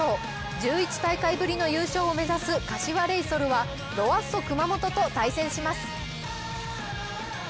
１１大会ぶりの優勝を目指す柏レイソルはロアッソ熊本と対戦します。